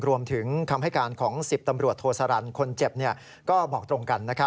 รวมถึงคำให้การของ๑๐ตำรวจโทสรรค์คนเจ็บก็บอกตรงกัน